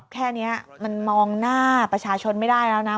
แค่นี้มันมองหน้าประชาชนไม่ได้แล้วนะ